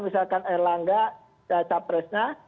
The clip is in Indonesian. misalkan air langga capresnya